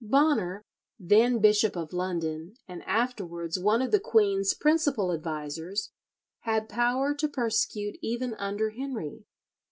Bonner, then Bishop of London, and afterwards one of the queen's principal advisers, had power to persecute even under Henry.